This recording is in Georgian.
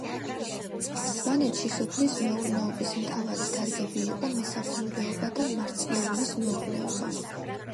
სვანეთში სოფლის მეურნეობის მთავარი დარგები იყო მესაქონლეობა და მარცვლეულის მეურნეობა.